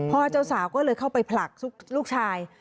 เจ้าสาวก็เลยเข้าไปผลักลูกชาย